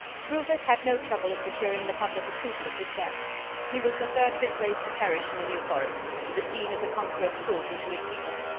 ] Rufus had no trouble in securing the public approval of his death. He was the third of his race to perish in the New Forest, the scene of the Conqueror's cruelty to his people.